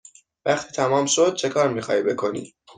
وقتی تمام شد چکار می خواهی بکنی؟